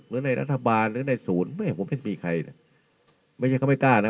หรือในรัฐบาลหรือในศูนย์ผมไม่มีใครไม่ใช่เขาไม่กล้านะ